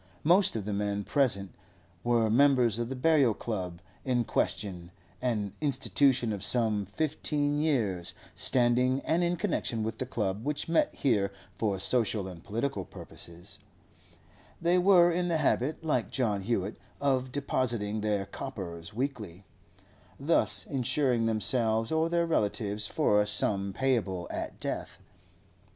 Most of the men present were members of the Burial Club in question, an institution of some fifteen years' standing and in connection with the club which met here for social and political purposes; they were in the habit, like John Hewett, of depositing their coppers weekly, thus insuring themselves or their relatives for a sum payable at death.